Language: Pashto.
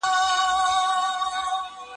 په ګونګرو او په سېتار یې ګوتې ګرځي